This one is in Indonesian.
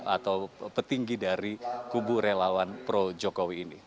atau petinggi dari kubu relawan projo kowe ini